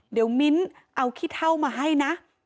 เดี๋ยวมิ้นเอาขี้เท่ามาให้นะ